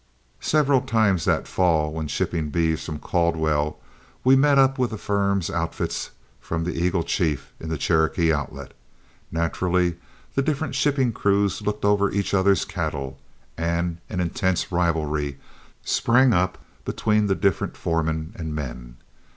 Several times that fall, when shipping beeves from Caldwell, we met up with the firm's outfits from the Eagle Chief in the Cherokee Outlet. Naturally the different shipping crews looked over each other's cattle, and an intense rivalry sprang up between the different foremen and men.